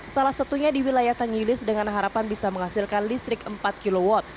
salah satunya di wilayah tangilis dengan harapan bisa menghasilkan listrik empat kw